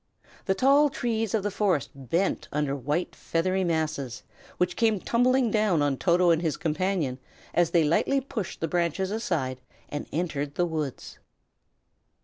The tall trees of the forest bent under white feathery masses, which came tumbling down on Toto and his companion, as they lightly pushed the branches aside and entered the woods.